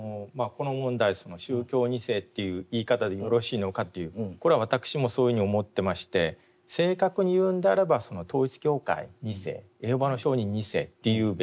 この問題その宗教２世という言い方でよろしいのかというこれは私もそういうふうに思ってまして正確に言うんであれば統一教会２世エホバの証人２世って言うべき。